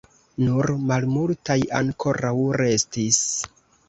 Nur malmultaj ankoraŭ restis.